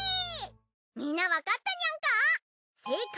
みんなわかったニャンか？